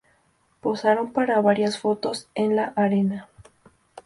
Posaron para varias fotos en la arena.